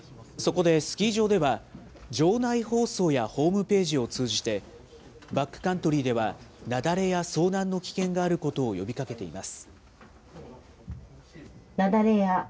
そこでスキー場では、場内放送やホームページを通じて、バックカントリーでは雪崩や遭難の危険があることを呼びかけています。